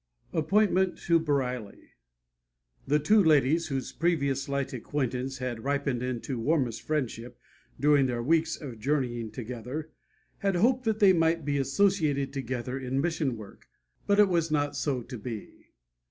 APPOINTMENT TO BAREILLY The two ladies, whose previous slight acquaintance had ripened into warmest friendship during their weeks of journeying together, had hoped that they might be associated together in mission work, but it was not so to be.